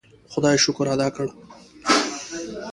خدای شکر ادا کړ.